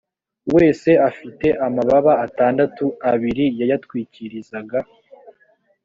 wese afite amababa atandatu abiri yayatwikirizaga